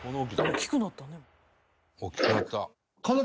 「大きくなった」